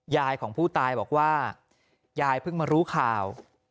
ยายของผู้ตายบอกว่ายายเพิ่งมารู้ข่าว